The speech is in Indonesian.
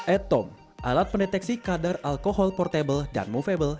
ethom alat pendeteksi kadar alkohol portable dan movable